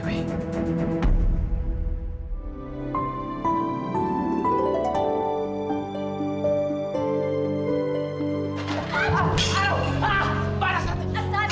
aku pasti bisa mempubut kamu dari andre wi